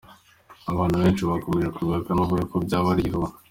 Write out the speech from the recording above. Abantu benshi bakomeje kubihakana bavuga ko byaba ari igihuha.